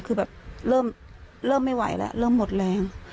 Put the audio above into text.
คือแบบเริ่มไม่ไหวแล้วเริ่มหมดแรง